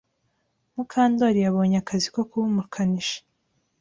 Mukandori yabonye akazi ko kuba umukanishi.